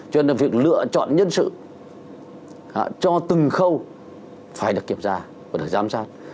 cho nên việc lựa chọn nhân sự cho từng khâu phải được kiểm tra và được giám sát